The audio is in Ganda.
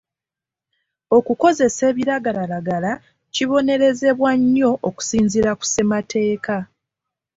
Okukozesa ebiragalalagala kibonerezebwa nnyo okusinziira ku ssemateeka.